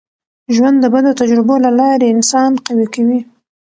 ژوند د بدو تجربو له لاري انسان قوي کوي.